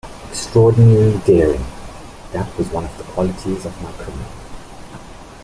Extraordinary daring — that was one of the qualities of my criminal.